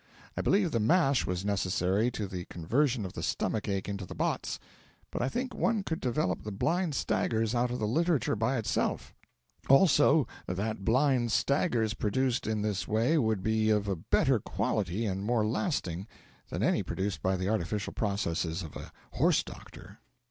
I believe the mash was necessary to the conversion of the stomach ache into the botts, but I think one could develop the blind staggers out of the literature by itself; also, that blind staggers produced in this way would be of a better quality and more lasting than any produced by the artificial processes of a horse doctor.